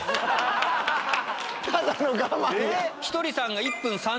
ただの我慢やん！